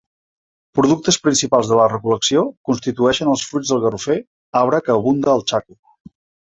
Productes principals de la recol·lecció constitueixen els fruits del garrofer, arbre que abunda al Chaco.